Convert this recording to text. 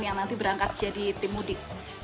yang nanti berangkat jadi tim mudik